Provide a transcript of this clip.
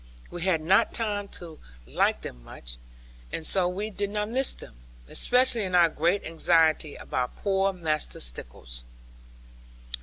We had not time to like them much, and so we did not miss them, especially in our great anxiety about poor Master Stickles.